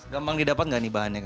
gampang didapat gak nih bahannya kang